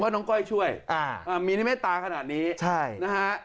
น้องก้อยช่วยอ่ามีนิเมตตาขนาดนี้ใช่นะฮะ